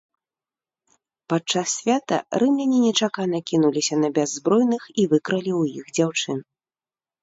Падчас свята рымляне нечакана кінуліся на бяззбройных і выкралі ў іх дзяўчын.